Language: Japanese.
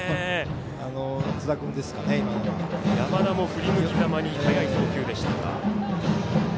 津田君ですかね、今の。山田も振り向きざまに早い送球でしたが。